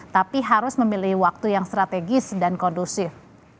tapi harus memilih waktu yang strategis dan kondusif